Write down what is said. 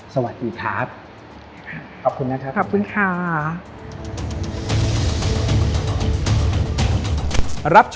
สวัสดีครับ